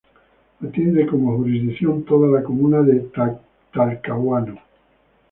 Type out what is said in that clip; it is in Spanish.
Atiende como jurisdicción toda la comuna de Talcahuano.